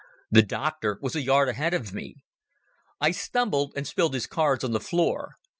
The doctor was a yard ahead of me. I stumbled and spilt his cards on the floor.